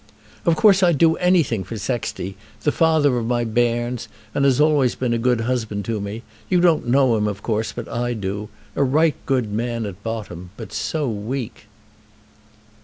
"Of course I'd do anything for Sexty, the father of my bairns, and has always been a good husband to me. You don't know him, of course, but I do. A right good man at bottom; but so weak!"